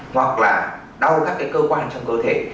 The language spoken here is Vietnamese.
hoặc là đau các cơ quan trong cơ thể